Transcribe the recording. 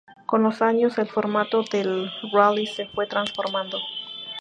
Con los años el formato del rally se fue transformando.